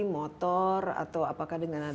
motor atau apakah dengan